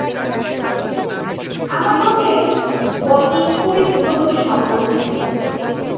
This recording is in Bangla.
আমার মতে বলটি খুবই দ্রুতগতিসম্পন্ন ছিল।